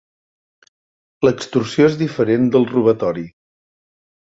L'extorsió és diferent del robatori.